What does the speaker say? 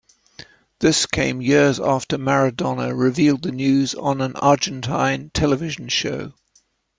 This came years after Maradona revealed the news on an Argentine television show.